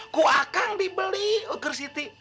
ku akang dibeli ke siti